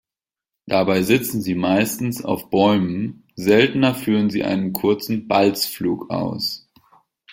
Dabei sitzen sie meistens auf Bäumen, seltener führen sie einen kurzen Balzflug aus.